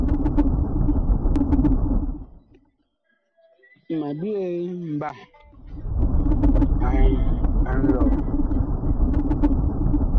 Ma byee mbah a nlɔɔ.